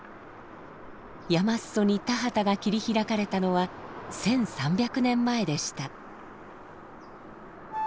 山裾に田畑が切り開かれたのは１，３００年前でした。